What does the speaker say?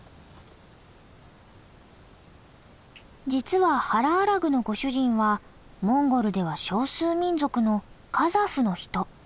実はハラアラグのご主人はモンゴルでは少数民族のカザフの人。